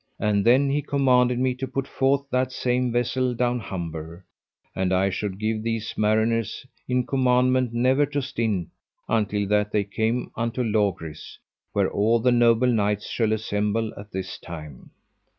And then he commanded me to put forth that same vessel down Humber, and I should give these mariners in commandment never to stint until that they came unto Logris, where all the noble knights shall assemble at this time.